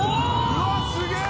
うわっすげえ！